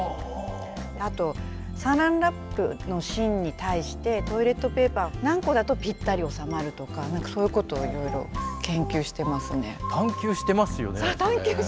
あとラップの芯に対してトイレットペーパーは何個だとぴったり収まるとかそういうことをいろいろ研究してますね。